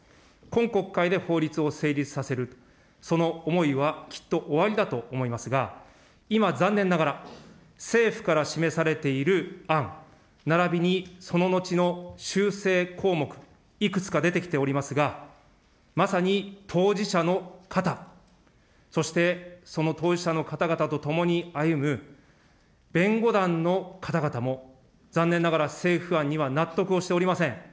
今国会で法律を成立させる、その思いはきっとおありだと思いますが、今、残念ながら、政府から示されている案、ならびにそののちの修正項目、いくつか出てきておりますが、まさに当事者の方、そしてその当事者の方々と共に歩む弁護団の方々も、残念ながら、政府案には納得をしておりません。